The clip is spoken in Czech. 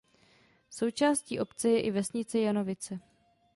Součástí obce je i vesnice Janovice.